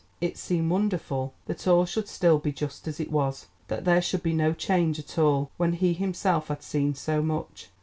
It seemed wonderful that all should still be just as it was, that there should be no change at all, when he himself had seen so much.